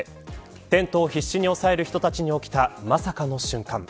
テントを必死に押さえる人たちに起きた、まさかの瞬間。